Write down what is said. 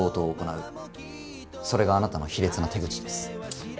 それがあなたの卑劣な手口です。